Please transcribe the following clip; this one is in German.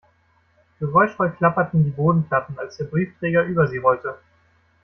Geräuschvoll klapperten die Bodenplatten, als der Briefträger über sie rollte.